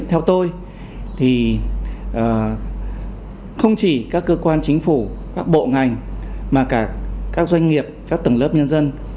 theo tôi thì không chỉ các cơ quan chính phủ các bộ ngành mà cả các doanh nghiệp các tầng lớp nhân dân